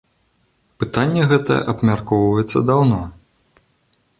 Пытанне гэта абмяркоўваецца даўно.